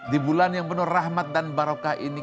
di bulan yang penuh rahmat dan barokah ini